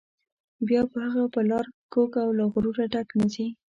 بیا به هغه پر لار باندې کوږ او له غروره ډک نه ځي.